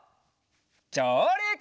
じょうりく！